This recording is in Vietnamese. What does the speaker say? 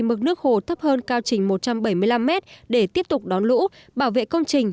mực nước hồ thấp hơn cao trình một trăm bảy mươi năm mét để tiếp tục đón lũ bảo vệ công trình